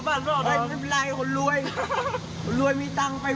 ก็เป็นคลิปเหตุการณ์ที่อาจารย์ผู้หญิงท่านหนึ่งกำลังมีปากเสียงกับกลุ่มวัยรุ่นในชุมชนแห่งหนึ่งนะครับ